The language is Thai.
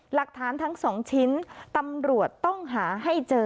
หลักฐานทั้ง๒ชิ้นตำรวจต้องหาให้เจอ